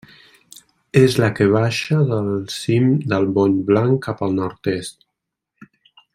És la que baixa del cim del Bony Blanc cap al nord-est.